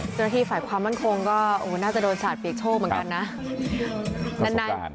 เจ้าหน้าที่ฝ่ายความมั่นคงก็น่าจะโดนสาดเปียกโชคเหมือนกันนะ